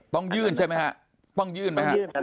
ต้องยื่นใช่ไหมครับต้องยื่นไหมครับ